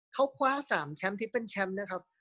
เขาคว้า๓แชมป์ที่เป็นแชมป์นะครับ